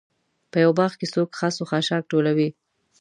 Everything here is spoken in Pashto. په یوه باغ کې څوک خس و خاشاک ټولوي.